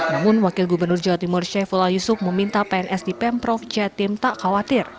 namun wakil gubernur jawa timur syaifullah yusuf meminta pns di pemprov jatim tak khawatir